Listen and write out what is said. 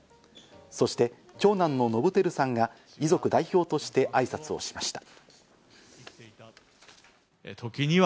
そして長男の伸晃さんが遺族代表として挨拶をしました。